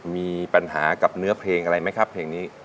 มีปัญหากับเนื้อเพลงอะไรไหมครับเพลงนี้